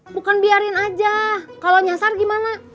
bukan biarin aja kalau nyasar gimana